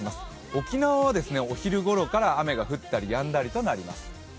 沖縄はお昼ごろから雨が降ったりやんだりとなります。